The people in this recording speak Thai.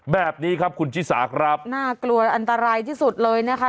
แบบนี้ครับคุณชิสาครับน่ากลัวอันตรายที่สุดเลยนะคะ